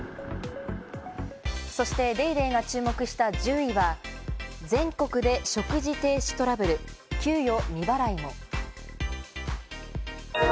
そして『ＤａｙＤａｙ．』が注目した１０位は全国で食事停止トラブル、給与未払いも。